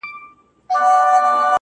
جانه ځان دي ټوله پکي وخوړ_